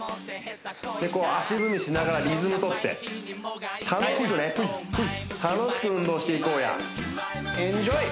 こう足踏みしながらリズムとって楽しくね楽しく運動していこうやエンジョイ！